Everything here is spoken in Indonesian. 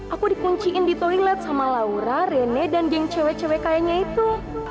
aku dikunciin di toilet sama laura rene dan geng cewek cewek kayaknya itu